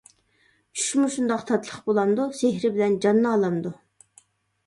چۈشمۇ شۇنداق تاتلىق بولامدۇ؟ سېھرىي بىلەن جاننى ئالامدۇ.